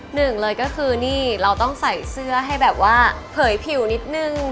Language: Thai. หนึ่งเลยก็คือนี่เราต้องใส่เสื้อให้แบบว่าเผยผิวนิดนึง